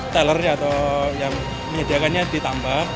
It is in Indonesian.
teller atau yang menyediakannya ditambah